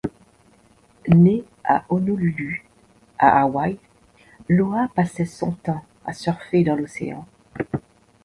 Né à Honolulu, à Hawaï, Loa passait son temps à surfer dans l’océan.